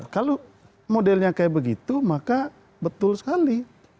kalau modelnya kayak begitu maka betul sekali